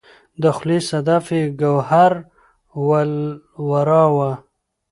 د خولې صدف یې ګوهر ولوراوه